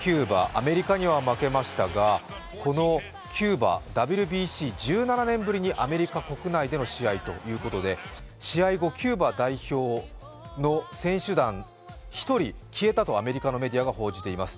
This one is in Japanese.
アメリカには負けましたがこのキューバ、ＷＢＣ１７年ぶりにアメリカ国内での試合ということで試合後、キューバ代表の選手団、１人消えたとアメリカのメディアが報じています。